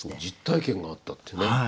実体験があったってね。